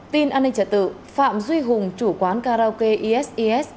tin an ninh trả tự phạm duy hùng chủ quán karaoke isis